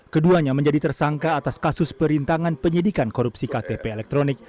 keduanya menjadi tersangka atas kasus perintangan penyidikan korupsi ktp elektronik